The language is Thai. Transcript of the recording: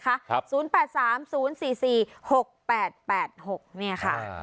ศูนย์แปดสามศูนย์สี่สี่หกแปดแปดหกเนี่ยค่ะ